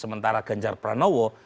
sementara ganjar pranowo